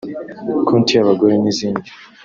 konti y’abagore n’izindi